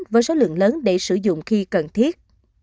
với số lượng lớn để sử dụng khi cần thiết